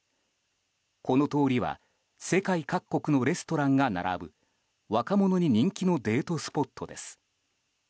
この通りは世界各国のレストランが並ぶ若者に人気のデートスポットです。